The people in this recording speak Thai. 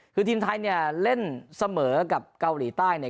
คือทีมไทยเล่นเสมอกับเกาหลีใต้